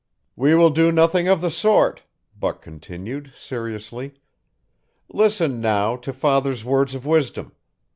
"We will do nothing of the sort," Buck continued seriously. "Listen, now, to Father's words of wisdom.